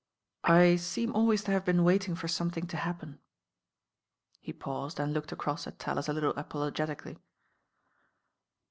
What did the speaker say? "I seem always to have been waiting for some Jmg to happen." He paused and looked across at Tallis a little apologetically.